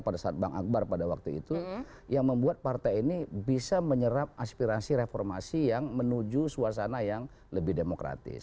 pada saat bang akbar pada waktu itu yang membuat partai ini bisa menyerap aspirasi reformasi yang menuju suasana yang lebih demokratis